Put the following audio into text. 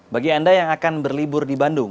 bagi anda yang akan berlibur di bandung